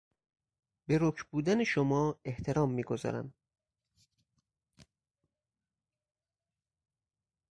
به رک بودن شما احترام میگذارم.